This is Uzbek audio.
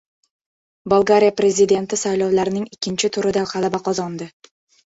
Bolgariya prezidenti saylovlarning ikkinchi turida g‘alaba qozondi